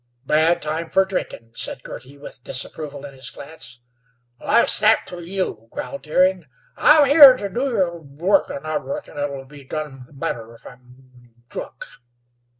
"Bad time fer drinkin'," said Girty, with disapproval in his glance. "What's that ter you?" growled Deering. "I'm here ter do your work, an' I reckon it'll be done better if I'm drunk."